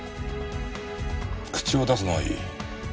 口を出すのはいい。